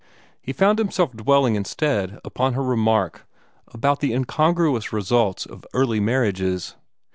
He found himself dwelling instead upon her remark about the incongruous results of early marriages.